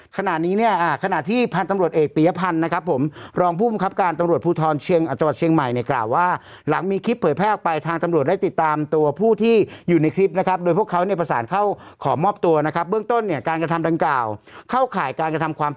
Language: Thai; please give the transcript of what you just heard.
ขณะนี้เนี่ยขณะที่พันธุ์ตำรวจเอกปียพันธ์นะครับผมรองผู้บังคับการตำรวจภูทรเชียงจังหวัดเชียงใหม่เนี่ยกล่าวว่าหลังมีคลิปเผยแพร่ออกไปทางตำรวจได้ติดตามตัวผู้ที่อยู่ในคลิปนะครับโดยพวกเขาเนี่ยประสานเข้าขอมอบตัวนะครับเบื้องต้นเนี่ยการกระทำดังกล่าวเข้าข่ายการกระทำความ